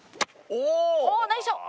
おおっナイスショット！